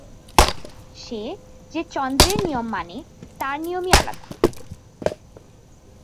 সে, যে চন্দ্রের নিয়ম মানে তার নিয়মই আলাদা।